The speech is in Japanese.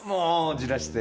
じらして。